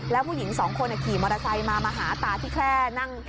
แล้วผู้หญิงสองคนขี่มอเตอร์ไซค์มามาหาตาที่แค่นั่ง